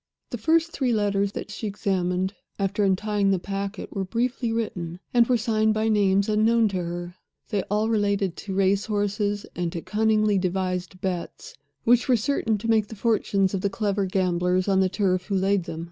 The first three letters that she examined, after untying the packet, were briefly written, and were signed by names unknown to her. They all related to race horses, and to cunningly devised bets which were certain to make the fortunes of the clever gamblers on the turf who laid them.